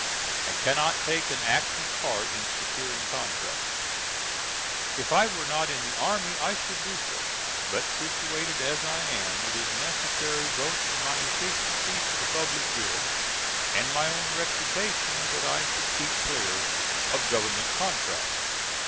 I cannot take an active part in securing contracts. If I were not in the army I should do so, but situated as I am it is necessary both to my efficiency for the public good and my own reputation that I should keep clear of Government contracts.